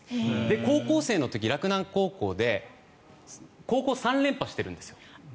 高校生の時に洛南高校で高校３連覇してるんです。